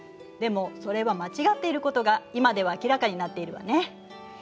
でもそれは間違っていることが今では明らかになっているわね。